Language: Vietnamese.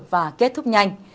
và kết thúc nhanh